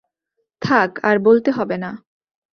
থাক, আর বলতে হবে না।